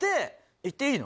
「言っていいの？」